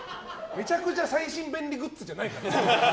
めちゃくちゃ最新便利グッズじゃないから。